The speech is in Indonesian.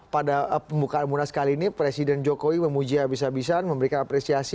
pada pembukaan munas kali ini presiden jokowi memuji habis habisan memberikan apresiasi